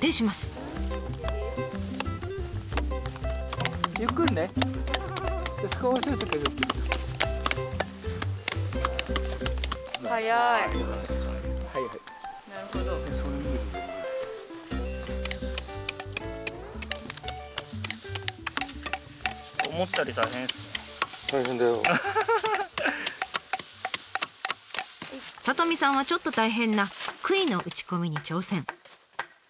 里美さんはちょっと大変なくいの打ち込みに挑戦。